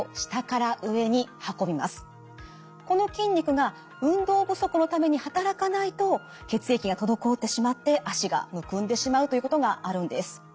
この筋肉が運動不足のために働かないと血液が滞ってしまって脚がむくんでしまうということがあるんです。